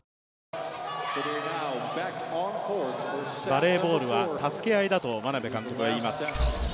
バレーボールは助け合いだと眞鍋監督はいいます。